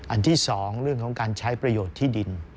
อันที่๒เรื่องของการใช้ประโยชน์ที่ดิน